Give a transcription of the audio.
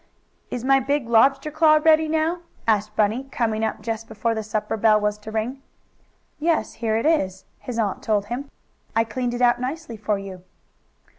"Is my big lobster claw ready now?" asked Bunny, coming up just before the supper bell was to ring. "Yes, here it is," his aunt told him. "I cleaned it out nicely for you."